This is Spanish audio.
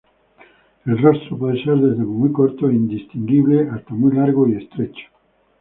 El rostro puede ser desde muy corto e indistinguible hasta muy largo y estrecho.